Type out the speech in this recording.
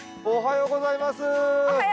おはようございます。